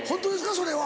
それは。